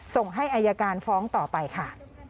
ส่งให้อายการฟ้องต่อไปค่ะ